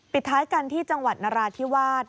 ท้ายกันที่จังหวัดนราธิวาส